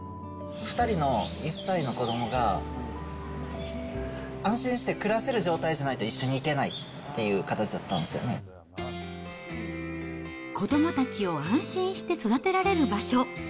２人の１歳の子どもが、安心して暮らせる状態じゃないと一緒に行けないっていう形だった子どもたちを安心して育てられる場所。